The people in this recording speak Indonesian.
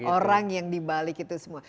orang yang di bali gitu semua